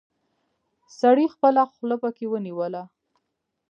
سړي خپله خوله پکې ونيوله.